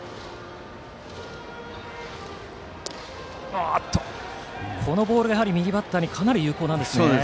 あのボールが右バッターにかなり有効です。